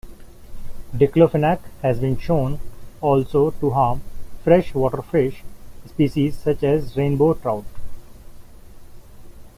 Diclofenac has been shown also to harm freshwater fish species such as rainbow trout.